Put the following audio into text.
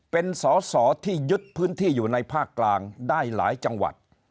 เป็นสอสอที่ยึดพื้นที่อยู่ในภาคกลางได้หลายจังหวัด